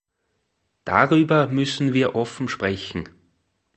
Darüber müssen wir offen sprechen.